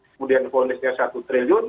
kemudian polisnya satu triliun